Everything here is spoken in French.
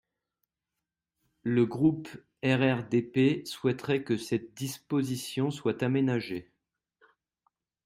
Le groupe RRDP souhaiterait que cette disposition soit aménagée.